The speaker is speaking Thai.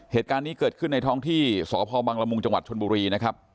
เหตุการณ์นี้เกิดขึ้นในท้องที่สพบังละมุงจังหวัดชนบุรีนะครับ